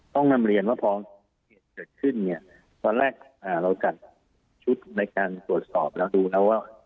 ต้องนำเรียนว่าพอเหตุเกิดขึ้นเนี่ยตอนแรกเราจัดชุดในการตรวจสอบแล้วดูนะว่า